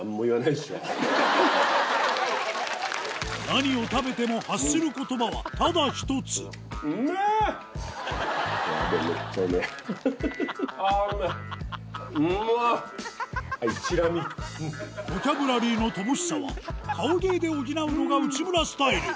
何を食べても発する言葉はただ１つボキャブラリーの乏しさは顔芸で補うのが内村スタイル